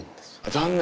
残念？